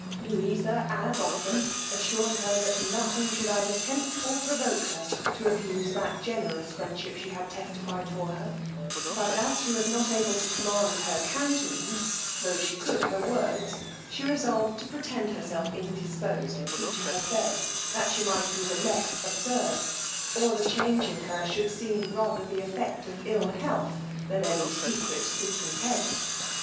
Louisa as often assured her that nothing should either tempt or provoke her to abuse that generous friendship she had testified for her; but as she was not able to command her countenance, tho' she could her words, she resolved to pretend herself indisposed and keep her bed, that she might be the less observed, or the change in her should seem rather the effects of ill health than any secret discontent.